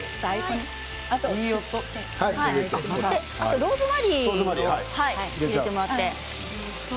あとはローズマリー入れてもらって。